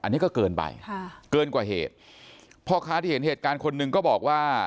อันนี้ก็เกินไปค่ะเกินกว่าเหตุพ่อค้าที่เห็นเหตุการณ์คนหนึ่งก็บอกว่า